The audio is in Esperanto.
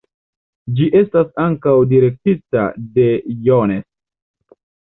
Ĝi estis ankaŭ direktita de Jones.